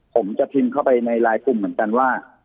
ผมจะพิมพ์เข้าไปในไลน์กลุ่มเหมือนกันว่า